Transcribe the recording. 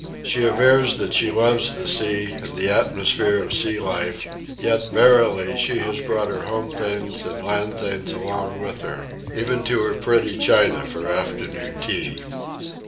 She avers that she loves the sea and the atmosphere of sea life, yet, verily, she has brought her home things and land things along with her—even to her pretty china for afternoon tea.